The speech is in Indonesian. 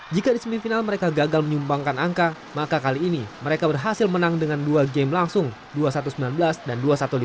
jika di semifinal mereka gagal menyumbangkan angka maka kali ini mereka berhasil menang dengan dua game langsung dua satu sembilan belas dan dua satu lima belas